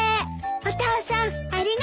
お父さんありがとう。